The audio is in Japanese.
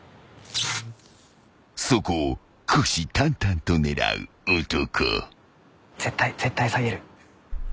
［そこを虎視眈々と狙う男］